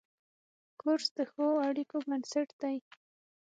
کورس د ښو اړیکو بنسټ دی.